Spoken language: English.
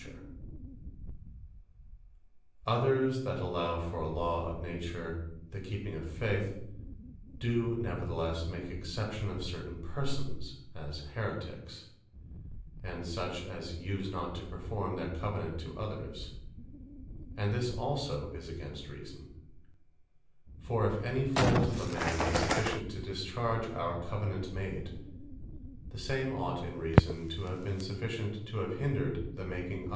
Covenants Not Discharged By The Vice Of The Person To Whom Made Others, that allow for a Law of Nature, the keeping of Faith, do neverthelesse make exception of certain persons; as Heretiques, and such as use not to performe their Covenant to others: And this also is against reason. For if any fault of a man, be sufficient to discharge our Covenant made; the same ought in reason to have been sufficient to have hindred the making of it.